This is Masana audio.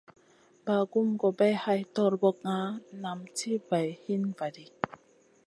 Bagumna gobay hay torbokna nam ti bay hin va ɗi.